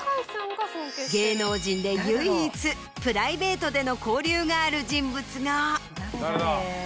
芸能人で唯一プライベートでの交流がある人物が。